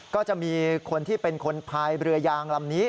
ก็จะมีคนที่เป็นคนพายเรือยางลำนี้